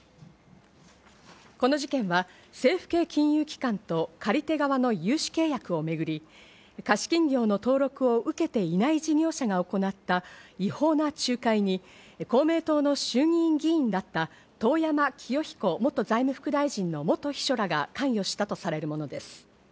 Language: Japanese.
この事件は政府系金融機関と借り手側の融資契約をめぐり、貸金業の登録を受けていない事業者が行った違法な仲介に公明党の衆議院議員だった遠山清彦元財務副大臣の元秘書らが関与したとされるものです。